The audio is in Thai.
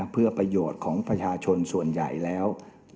เพื่อประโยชน์ของประชาชนส่วนใหญ่แล้ว